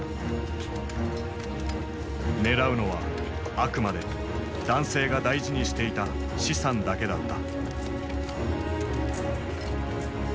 狙うのはあくまで男性が大事にしていた資産だけだった。